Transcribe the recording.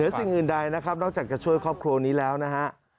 สิ่งอื่นใดนะครับนอกจากจะช่วยครอบครัวนี้แล้วนะฮะ